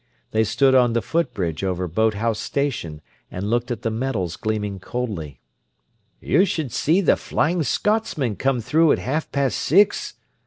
They stood on the foot bridge over Boathouse Station and looked at the metals gleaming coldly. "You should see the Flying Scotsman come through at half past six!"